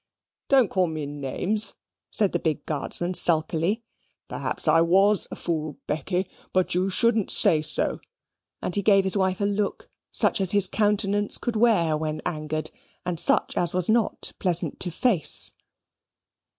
"Don't call me names," said the big Guardsman, sulkily. "Perhaps I WAS a fool, Becky, but you shouldn't say so"; and he gave his wife a look, such as his countenance could wear when angered, and such as was not pleasant to face.